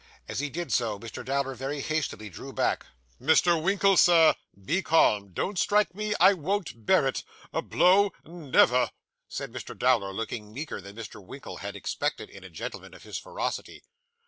As he did so, Mr. Dowler very hastily drew back. 'Mr. Winkle, Sir. Be calm. Don't strike me. I won't bear it. A blow! Never!' said Mr. Dowler, looking meeker than Mr. Winkle had expected in a gentleman of his ferocity.